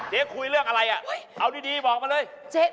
คุยเรื่องอะไรอ่ะเอาดีบอกมาเลย